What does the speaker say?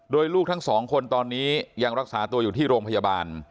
โดยลูกทั้งสองคนตอนนี้ยังรักษาตัวอยู่ที่โรงพยาบาล